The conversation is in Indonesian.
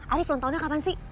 alif ulang tahunnya kapan sih